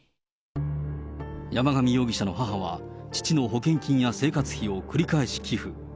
山上容疑者の母は、父の保険金や生活費を繰り返し寄付。